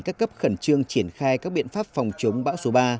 các cấp khẩn trương triển khai các biện pháp phòng chống bão số ba